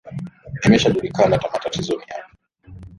imeshajulika matatizo ni yapi